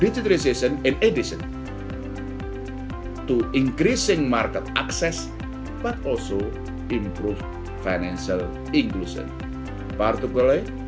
digitalisasi di tambahan untuk meningkatkan akses pasar tapi juga meningkatkan inklusi finansial